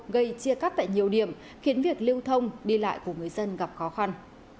gây chia cắt tại nhiều điểm khiến việc lưu thông đi lại của người dân gặp khó khăn